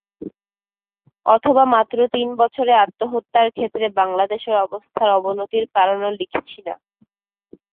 অথবা মাত্র তিন বছরে আত্মহত্যার ক্ষেত্রে বাংলাদেশের অবস্থার অবনতির কারণেও লিখছি না।